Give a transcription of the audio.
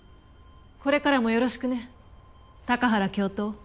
これからもよろしくね高原教頭